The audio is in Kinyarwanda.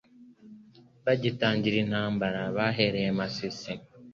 bagitangira intambara bahereye Masisi